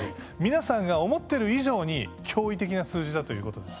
皆さんが思ってる以上に脅威的な数字だということです。